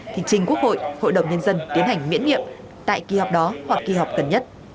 thì trình quốc hội hội đồng nhân dân tiến hành miễn nhiệm tại kỳ họp đó hoặc kỳ họp gần nhất